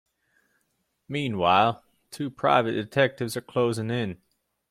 Meanwhile, two private detectives are closing in.